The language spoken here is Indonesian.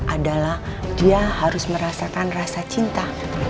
adalah dia harus merasakan rasa cinta